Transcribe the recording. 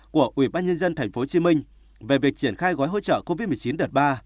của ubnd tp hcm về việc triển khai gói hỗ trợ covid một mươi chín đợt ba